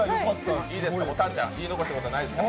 たんちゃん、言い残したことないですか？